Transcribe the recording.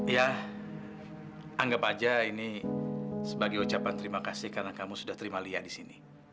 ya anggap aja ini sebagai ucapan terima kasih karena kamu sudah terima lia di sini